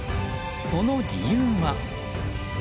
その理由は。